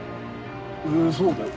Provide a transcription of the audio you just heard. えそうだよ。